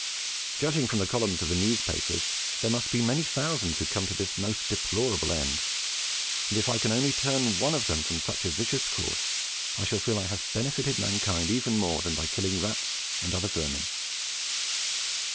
Judging from the columns of the newspapers, there must be many thousands who come to this most deplorable end; and if I can only turn one from such a vicious course, I shall feel I have benefitted mankind even more than by killing rats and other vermin.